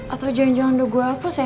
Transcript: atau jangan jangan udah gue hapus ya